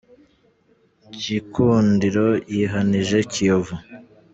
Gikunsdiro yihanije Kiyovu